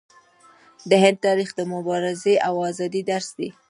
د هند تاریخ د مبارزې او ازادۍ درس دی.